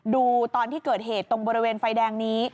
ดูตอนที่เกิดเหตุตรงบริเวณไฟแดงนี้